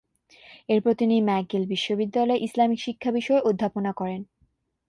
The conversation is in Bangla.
এরপর তিনি ম্যাকগিল বিশ্ববিদ্যালয়ে ইসলামিক শিক্ষা বিষয়ে অধ্যাপনা করেন।